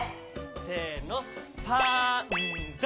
せのパンダ！